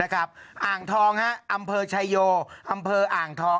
นะครับอ่างทองฮะอำเภอชายโยอำเภออ่างทอง